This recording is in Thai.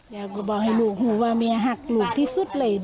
เนี่ยก็บอกให้ลูกหูว่า่มองค่ะลุกที่สุดเลย